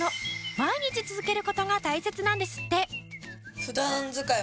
毎日続ける事が大切なんですって。